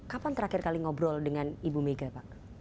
kapan terakhir kali ngobrol dengan ibu mega pak